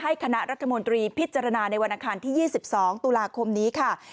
คณะรัฐมนตรีพิจารณาในวันอังคารที่๒๒ตุลาคมนี้ค่ะ